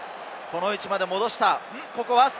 この位置まで戻した！